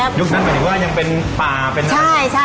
ยุคนั้นหมายถึงว่ายังเป็นป่า